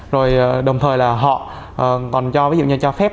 rồi đồng thời là họ còn cho ví dụ như cho phép